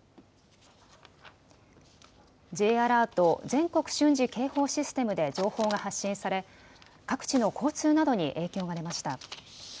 ・全国瞬時警報システムで情報が発信され各地の交通などに影響が出ました。